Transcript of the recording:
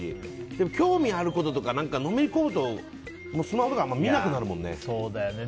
でも、興味あることとかのめりこむと、スマホとかあんまり見なくなるよね。